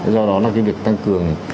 do đó là cái việc tăng cường